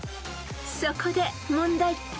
［そこで問題］